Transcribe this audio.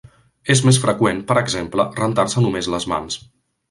És més freqüent, per exemple, rentar-se només les mans.